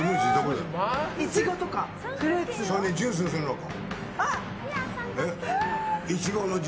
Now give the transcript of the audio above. それでジュースにするのか。